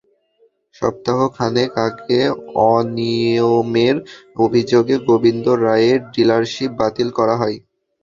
সপ্তাহ খানেক আগে অনিয়মের অভিযোগে গোবিন্দ রায়ের ডিলারশিপ বাতিল করা হয়।